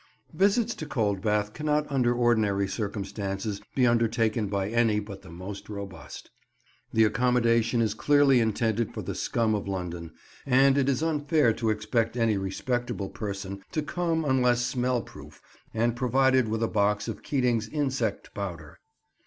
Visits to Coldbath cannot under ordinary circumstances be undertaken by any but the most robust. The accommodation is clearly intended for the scum of London, and it is unfair to expect any respectable person to come unless smell proof and provided with a box of Keating's insect powder.